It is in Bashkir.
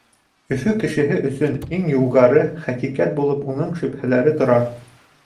Өфө кешеһе өсөн иң югары хәҡиҡәт булып уның шөбһәләре тора.